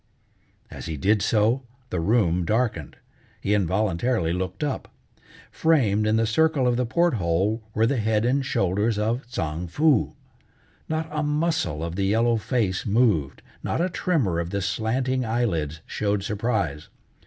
As he did so the room darkened. He involuntarily looked up. Framed in the circle of the port hole were the head and shoulders of Tsang Foo. Not a muscle of the yellow face moved, not a tremor of the slanting eyelids showed surprise.